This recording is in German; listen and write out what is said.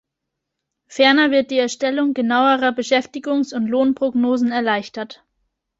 Ferner wird die Erstellung genauerer Beschäftigungs- und Lohnprognosen erleichtert.